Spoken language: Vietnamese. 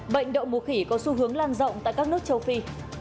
bệnh động mục khỉ có xu hướng lan rộng tại các nước châu phi